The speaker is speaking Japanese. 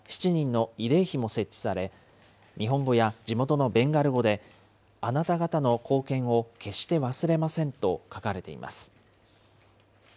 鉄道の施設内には、７人の慰霊碑も設置され、日本語や地元のベンガル語で、あなた方の貢献を決して忘れませんと書かれています。